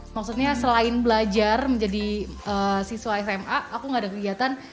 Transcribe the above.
maksudnya selain belajar menjadi siswa sma aku gak ada kegiatan